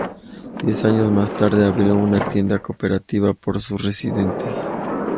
Diez años más tarde abrió una tienda cooperativa por sus residentes.